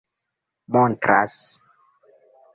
montras